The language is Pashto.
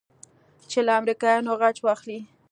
چې له امريکايانو غچ واخلې.